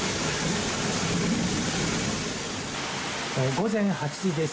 午前８時です。